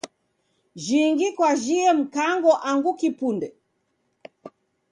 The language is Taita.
Jhingi kwajhie Mkango angu kipunde?